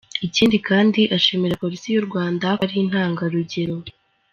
Ikindi kandi ashimira Polisi y’u Rwanda ko ari intangarugero.